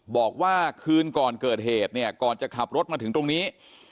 บอกว่าคืนก่อนเกิดเหตุเนี่ยก่อนจะขับรถมาถึงตรงนี้